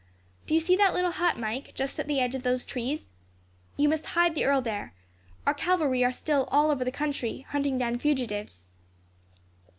"Do you see that little hut, Mike, just at the edge of those trees? You must hide the earl there. Our cavalry are still all over the country, hunting down fugitives."